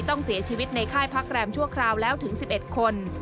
ต้องเสียชีวิตในค่ายพักแรมชั่วคราวแล้วถึง๑๑คน